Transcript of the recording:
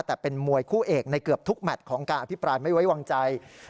แต่เป็นมวยคู่เอกในเกือบทุกแมทของการอภิปรายไม่ไว้วางใจ